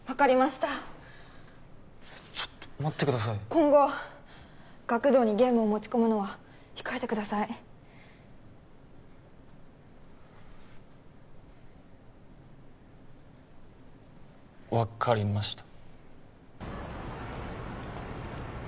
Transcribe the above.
今後学童にゲームを持ち込むのは控えてくださいわかりました